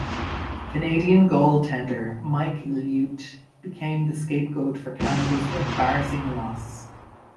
Canadian goaltender Mike Liut became the scapegoat for Canada's embarrassing loss.